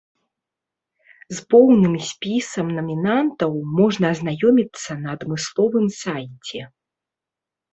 З поўным спісам намінантаў можна азнаёміцца на адмысловым сайце.